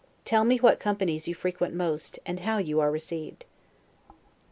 Tell me what companies you frequent most, and how you are received.